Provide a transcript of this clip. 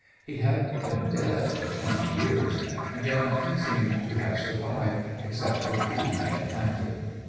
He had been dead but twenty years, and yet nothing seemed to have survived except the tree he had planted.